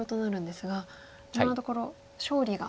今のところ勝利が。